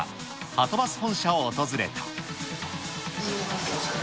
はとバス本社を訪れた。